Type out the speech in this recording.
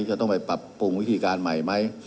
จะต้องไปปรับปรุงวิธีการใหม่ไหม